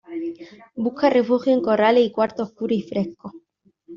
Busca refugio en corrales y cuartos oscuros y frescos.